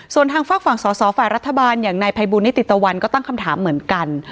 ส่วนทางฝากฝั่งสอสอฝ่ายรัฐบาลอย่างนายภัยบูลนิติตะวันก็ตั้งคำถามเหมือนกัน